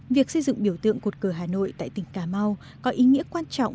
việc xây dựng biểu tượng cột cử hà nội tại tỉnh cà mau có ý nghĩa quan trọng